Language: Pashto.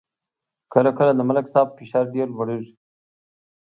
کله کله د ملک صاحب فشار ډېر لوړېږي.